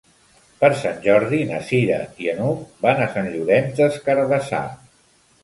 Per Sant Jordi na Cira i n'Hug van a Sant Llorenç des Cardassar.